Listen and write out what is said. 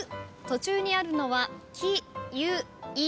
途中にあるのは「き」「ゆ」「い」